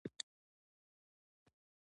نوی کار جرئت غواړي